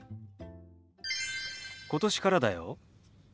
今年からだよ。